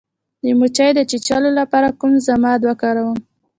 د مچۍ د چیچلو لپاره کوم ضماد وکاروم؟